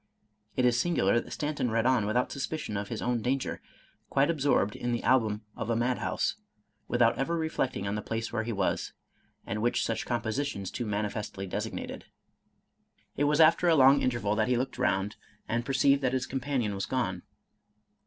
It is singular that Stan ton read on without suspicion of his own danger, quite absorbed in the album of a madhouse, without ever reflecting on the place where he was, and which such compositions too manifestly designated. It was after a long interval that he looked round, and perceived that his companion was gone.